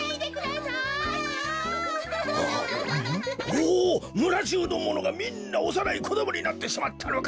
おおむらじゅうのものがみんなおさないこどもになってしまったのか？